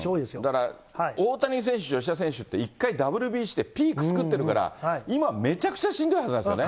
だから大谷選手、吉田選手って、１回ＷＢＣで、ピーク作ってるから、今、めちゃくちゃしんどいはずなんですよね。